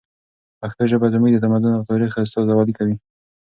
پښتو ژبه زموږ د تمدن او تاریخ استازولي کوي.